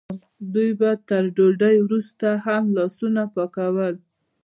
دوی به تر ډوډۍ وروسته هم لاسونه پاکول.